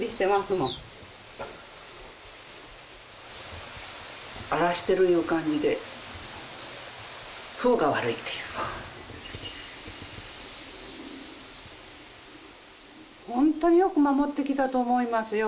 もん荒らしてるいう感じで「ふうが悪い」っていうホントによく守ってきたと思いますよ